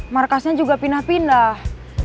markasnya juga pindah pindah